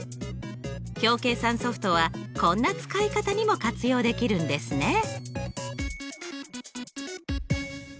表計算ソフトはこんな使い方にも活用できるんですね。